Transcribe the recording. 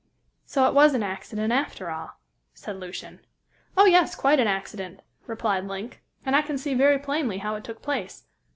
"So it was an accident, after all?" said Lucian. "Oh, yes, quite an accident," replied Link, "and I can see very plainly how it took place.